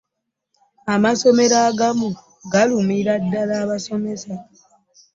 Amasomero agamu galumira ddala abasomesa.